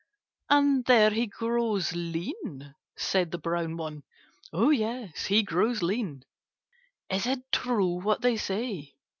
"And there he grows lean?" said the brown one. "Yes, he grows lean." "Is it true what they say?"